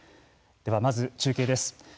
では、まず中継です。